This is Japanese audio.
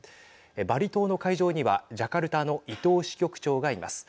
バリ島の会場にはジャカルタの伊藤支局長がいます。